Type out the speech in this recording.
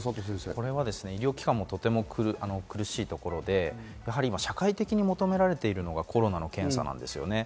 これは医療機関もとても苦しいところで、社会的に求められているのがコロナの検査なんですね。